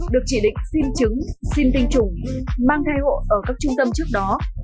được chỉ định xin chứng xin tinh trùng mang thai hộ ở các trung tâm trước đó